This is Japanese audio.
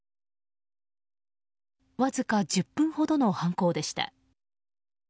わずか１０分ほどの犯行でした。